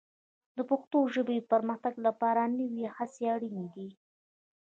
د پښتو ژبې د پرمختګ لپاره نوې هڅې اړینې دي.